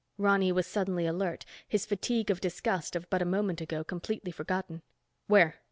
Ronny was suddenly alert, his fatigue of disgust of but a moment ago, completely forgotten. "Where?"